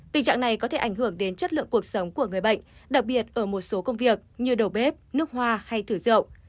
tình trạng này có thể ảnh hưởng đến chất lượng cuộc sống của người bệnh đặc biệt ở một số công việc như đầu bếp nước hoa hay thử rậu